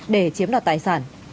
để chiếm đạt tài sản